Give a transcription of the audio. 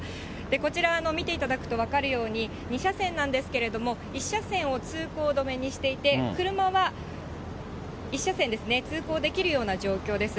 こちら、見ていただくと分かるように２車線なんですけれども、１車線を通行止めにしていて、車は１車線ですね、通行できるような状況です。